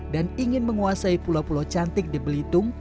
dan ingin menguasai pulau pulau cantik di belitung